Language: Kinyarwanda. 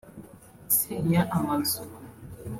isenya amazu